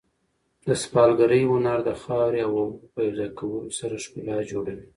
د سفالګرۍ هنر د خاورې او اوبو په یو ځای کولو سره ښکلا جوړوي.